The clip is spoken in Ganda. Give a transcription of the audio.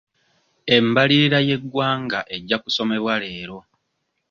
Embalirira y'eggwanga ejja kusomebwa leero.